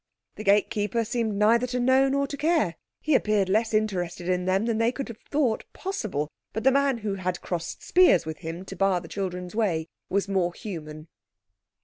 The gatekeeper seemed neither to know nor to care. He appeared less interested in them than they could have thought possible. But the man who had crossed spears with him to bar the children's way was more human.